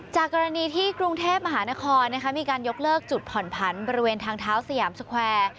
จากกรณีที่กรุงเทพมหานครมีการยกเลิกจุดผ่อนผันบริเวณทางเท้าสยามสแควร์